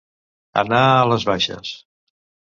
Anar ales baixes.